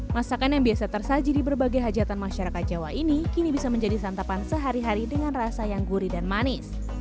masakan yang biasa tersaji di berbagai hajatan masyarakat jawa ini kini bisa menjadi santapan sehari hari dengan rasa yang gurih dan manis